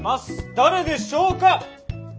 誰でしょうか？